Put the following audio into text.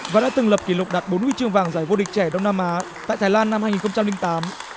và đã từng lập kỷ lục đạt bốn huy chương vàng giải vô địch trẻ đông nam á tại thái lan năm hai nghìn tám